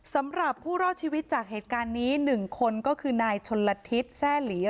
สำหรับผู้รอดชีวิตจากเหตุการณ์นี้๑คนก็คือนายชนละทิศแซ่หลี